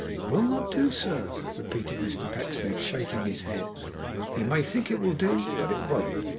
It will not do, sir,' repeated Mr Pecksniff, shaking his head. 'You may think it will do, but it won't.